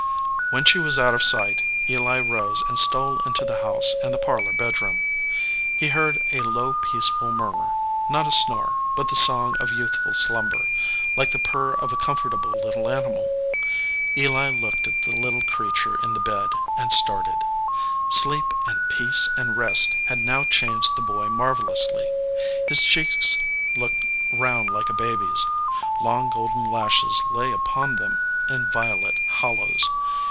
When she was out of sight, Eli rose and stole into the house and the parlor bedroom. He heard a low, peaceful murmur, not a snore, but the song of youthful slumber, like the purr of a comfortable little animal. Eli looked at the little creature in the bed, and started. Sleep and peace and rest had now changed the boy marvelously. His cheeks looked round like a baby s. Long golden lashes lay upon them in violet hollows.